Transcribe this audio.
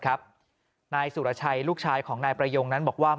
นายสุรชัยลูกชายของนายประยงนั้นบอกว่า